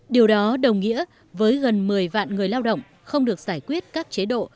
điều đó đồng nghĩa với gần một mươi vạn người lao động không được giải quyết các chế độ